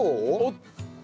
おっ！